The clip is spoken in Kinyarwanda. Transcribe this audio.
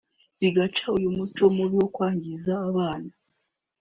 bigaca uyu muco mubi wo kwangiza abana